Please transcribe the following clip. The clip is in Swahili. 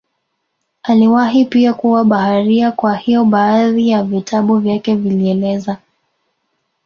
Aliwahi pia kuwa baharia kwa hiyo baadhi ya vitabu vyake vilieleza